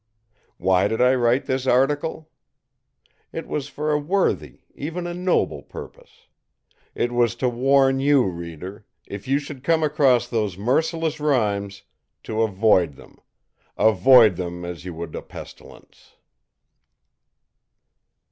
Why did I write this article? It was for a worthy, even a noble, purpose. It was to warn you, reader, if you should came across those merciless rhymes, to avoid them avoid them as you would a pestilence!